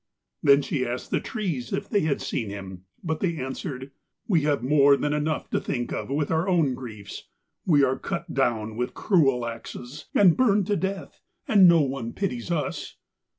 Then she asked the Trees if they had seen him but they answered: 'We have more than enough to think of with our own griefs. We are cut down with cruel axes and burned to death, and no one pities us.'